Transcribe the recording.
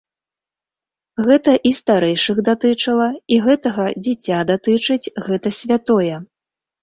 Гэта і старэйшых датычыла, і гэтага дзіця датычыць, гэта святое.